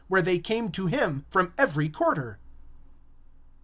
And they came to him from every quarter.